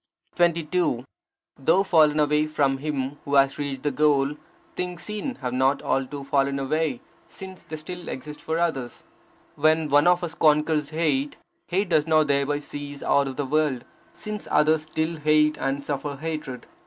22. Though fallen away from him who has reached the goal, things seen have not alto fallen away, since they still exist for others. When one of us conquers hate, hate does not thereby cease out of the world, since others still hate and suffer hatred.